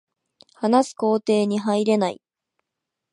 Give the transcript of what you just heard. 話す工程に入れない